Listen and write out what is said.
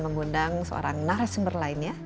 mengundang seorang narasumber lainnya